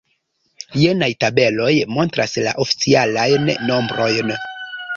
Jenaj tabeloj montras la oficialajn nombrojn.